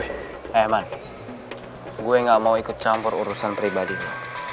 eh eman gue gak mau ikut campur urusan pribadi lo